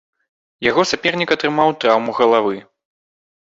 Яго сапернік атрымаў траўму галавы.